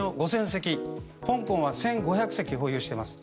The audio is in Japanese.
隻香港は１５００隻保有しています。